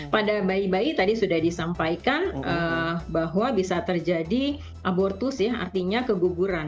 pada bayi bayi tadi sudah disampaikan bahwa bisa terjadi abortus ya artinya keguguran